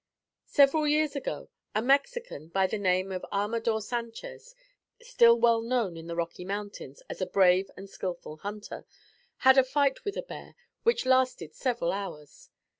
Several years ago, a Mexican by the name of Armador Sanchez, still well known in the Rocky Mountains as a brave and skillful hunter, had a fight with a bear which lasted several hours.